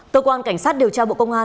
tòa quang cảnh sát điều tra bộ công an